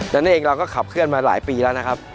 นั่นเองเราก็ขับเคลื่อนมาหลายปีแล้วนะครับ